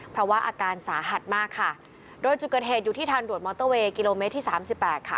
เพราะว่าอาการสาหัสมากค่ะโดยจุดเกิดเหตุอยู่ที่ทางด่วนมอเตอร์เวย์กิโลเมตรที่สามสิบแปดค่ะ